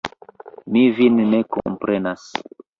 Mi vin ne komprenas.